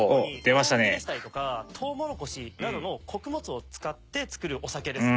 主に大麦でしたりとかトウモロコシなどの穀物を使って造るお酒ですね。